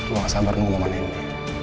gue gak sabar nunggu momen ini